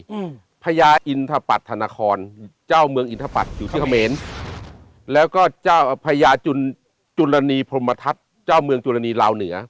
อืมพญาอินทปัตธนครเจ้าเมืองอินทปัตรอยู่ที่เขมรแล้วก็เจ้าพญาจุนจุลณีพรมทัศน์เจ้าเมืองจุรณีลาวเหนือ